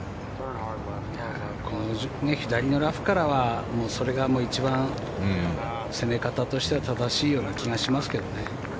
左のラフからはそれが一番、攻め方としては正しいような気がしますけどね。